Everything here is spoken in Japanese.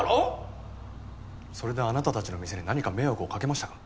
それであなたたちの店に何か迷惑をかけましたか？